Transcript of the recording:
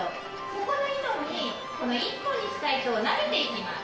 ここの糸にこの１本にした糸を投げていきます。